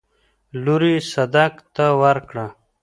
لور يې صدک ته ورکړه.